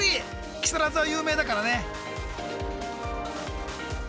木更津は有名だからね。